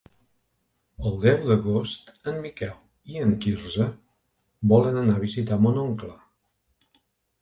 El deu d'agost en Miquel i en Quirze volen anar a visitar mon oncle.